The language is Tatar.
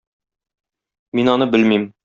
Мин аны белмим.